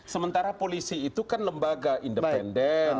sementara polisi itu kan lembaga independen